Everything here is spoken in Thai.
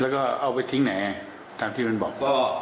แล้วก็เอาไปทิ้งไหนตามที่มันบอก